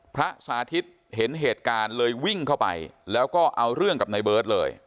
พระสาธิตเห็นเหตุการณ์เลยวิ่งเข้าไปแล้วก็เอาเรื่องกับในเบิร์ตเลย